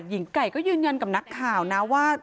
หญิงไก่ก็ยืนยันกับนักข่าวนะว่า